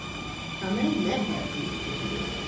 "How many men have you with you?"